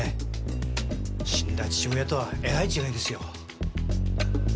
死んだ父親とはえらい違いですよ。